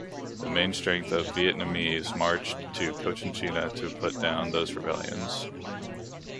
The main strength of Vietnamese marched to Cochinchina to put down those rebellions.